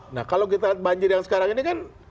nah kalau kita lihat banjir yang sekarang ini kan